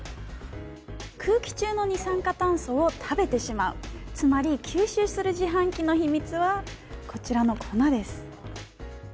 空気中の二酸化炭素を食べてしまうつまり吸収する自販機の秘密はこちらの粉です。